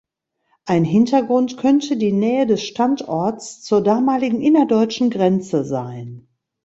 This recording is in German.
Ein Hintergrund könnte die Nähe des Standorts zur damaligen innerdeutschen Grenze sein.